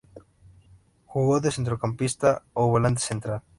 Jugó de Centrocampista o volante central.